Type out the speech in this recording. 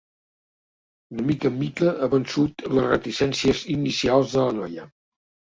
De mica en mica ha vençut les reticències inicials de la noia.